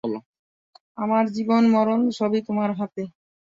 আমার জীবন-মরণ সবই তোমার হাতে।